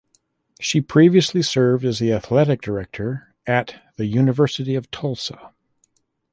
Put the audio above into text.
She previously served as the athletic director at the University of Tulsa.